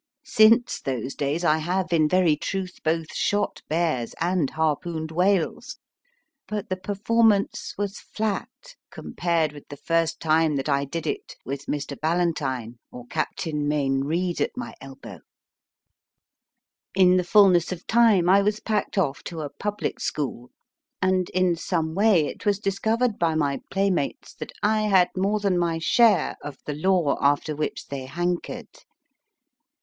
Since those days I have in very truth both shot bears and harpooned whales, but the performance was flat compared with the first time that I did it with Mr. Ballantyne or Captain Mayne Reid at my elbow. In the fulness of time I was packed off to a public school, and in some way it was discovered by my playmates that I WITH THE EDITOR S COMPLIMENTS A. CO NAN DOYLE 103 had more than my share of the lore after which they hankered.